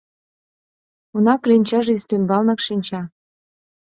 Уна, кленчаже ӱстембалнак шинча.